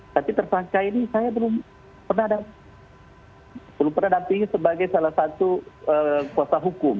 tapi tersangka ini saya belum pernah dampingi sebagai salah satu kuasa hukum